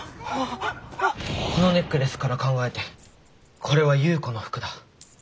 このネックレスから考えてこれは夕子の服だ。